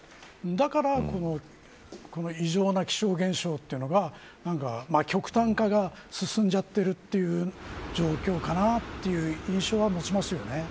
だからこの異常な気象現象というのが極端化が進んじゃっているという状況かなという印象は持ちますよね。